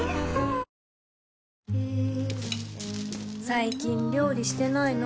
最近料理してないの？